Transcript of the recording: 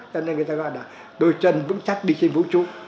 cho nên người ta gọi là đôi chân vững chắc đi trên vũ trụ